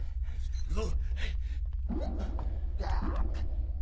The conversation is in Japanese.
行くぞ！